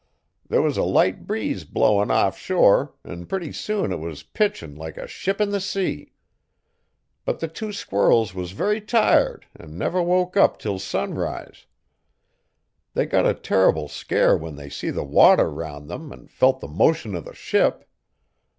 There was a light breeze blowin' offshore an' purty soon it was pitchin' like a ship in the sea. But the two squirrels was very tired an' never woke up 'til sunrise. They got a terrible scare when they see the water 'round 'em an' felt the motion o' the ship.